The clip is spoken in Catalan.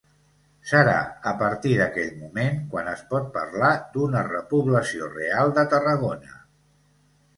Serà a partir d'aquell moment quan es pot parlar d'una repoblació real de Tarragona.